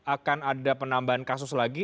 akan ada penambahan kasus lagi